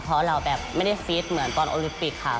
เพราะเราแบบไม่ได้ฟิตเหมือนตอนโอลิมปิกค่ะ